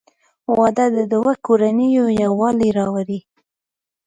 • واده د دوه کورنیو یووالی راولي.